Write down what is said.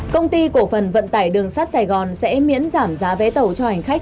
công ty cổ phần vận tải đường sát sài gòn sẽ miễn giảm giá vé tẩu cho hành khách